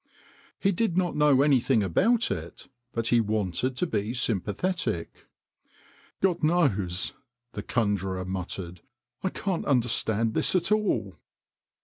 He did not know anything about it, but he wanted to be sympathetic. " God knows," the conjurer muttered, " I can't understand this at all."